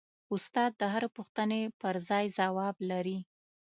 استاد د هرې پوښتنې پرځای ځواب لري.